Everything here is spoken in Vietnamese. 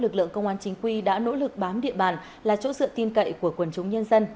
tượng công an chính quy đã nỗ lực bám địa bàn là chỗ sự tin cậy của quần chúng nhân dân